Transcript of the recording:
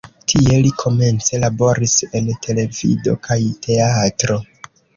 Tie li komence laboris en televido kaj teatro.